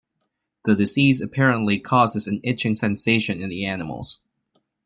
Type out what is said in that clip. The disease apparently causes an itching sensation in the animals.